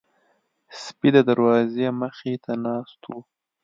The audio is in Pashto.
سپي د دروازې مخې ته ناست وو.